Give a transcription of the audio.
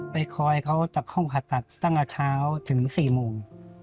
คอยเขาจากห้องผ่าตัดตั้งแต่เช้าถึง๔โมง